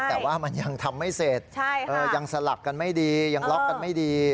แต่ว่ามันยังทำไม่เสร็จยังสลักกันไม่ดียังล็อกกันไม่ดี